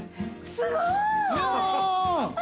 すごい！